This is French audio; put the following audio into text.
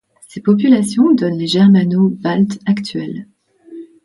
Ces populations donnent les Germano-baltes actuels.